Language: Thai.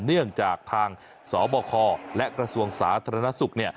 เนื่องจากทางสบคและกระทรวงศาสตรนสุข